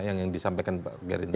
yang disampaikan pak gerindra